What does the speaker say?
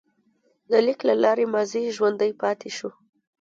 د لیک له لارې ماضي ژوندی پاتې شو.